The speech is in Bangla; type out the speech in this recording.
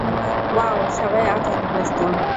ওয়াও, সবাই আজ অনেক ব্যস্ত।